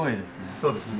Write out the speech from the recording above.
そうですね。